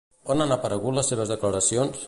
On han aparegut les seves declaracions?